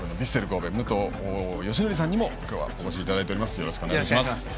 神戸武藤嘉紀さんにも今日はお越しいただいております。